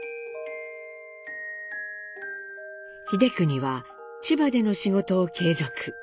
英邦は千葉での仕事を継続。